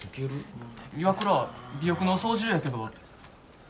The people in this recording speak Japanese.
岩倉尾翼の操縦やけど。